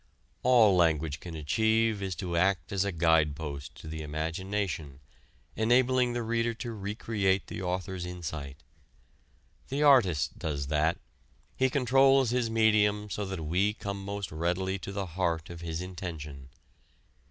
All language can achieve is to act as a guidepost to the imagination enabling the reader to recreate the author's insight. The artist does that: he controls his medium so that we come most readily to the heart of his intention.